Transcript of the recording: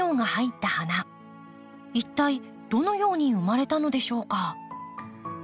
一体どのように生まれたのでしょうか？